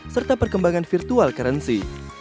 serta perkembangan virtual currency